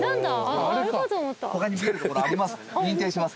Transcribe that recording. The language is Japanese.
他に見える所あります？